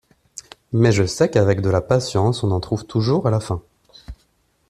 Mais je sais qu’avec de la patience on en trouve toujours la fin.